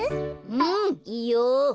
うんいいよ。